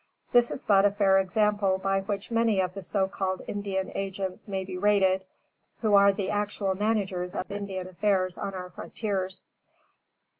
This is but a fair example by which many of the so called Indian agents may be rated, who are the actual managers of Indian affairs on our frontiers.